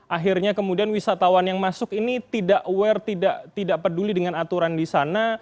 akhirnya kemudian wisatawan yang masuk ini tidak aware tidak peduli dengan aturan di sana